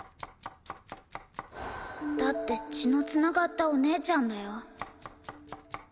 だって血の繋がったお姉ちゃんだよ？